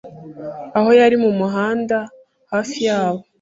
aho yari mu muhanda hafi yabo,